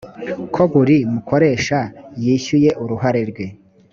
ko buri mukoresha yishyuye uruhare rwe